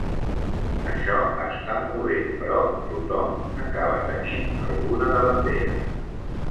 Això està molt bé, però tothom n'acaba tenint alguna, de bandera.